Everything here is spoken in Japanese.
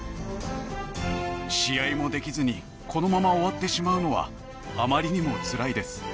試合もできずにこのまま終わってしまうのはあまりにもつらいです。